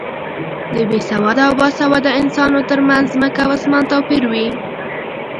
د بې سواده او با سواده انسانو تر منځ ځمکه او اسمان توپیر وي.